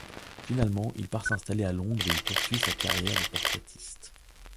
Finalement, il part s'installer à Londres et y poursuit sa carrière de portraitiste.